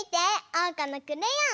おうかのクレヨン！